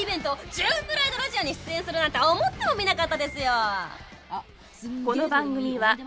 『ジューンブライドラジオ』に出演するなんて思ってもみなかったですよ！